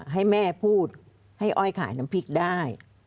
ให้แม่พูดให้อ้อยขายน้ำพริกได้